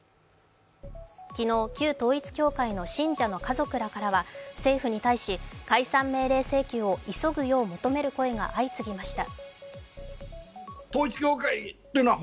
昨日、旧統一教会の信者の家族からは政府に対し、解散命令請求を急ぐよう求める声が相次ぎました。